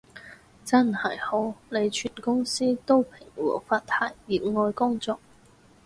真係好，你全公司都平和佛系熱愛工作